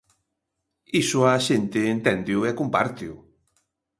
Iso a xente enténdeo e compárteo.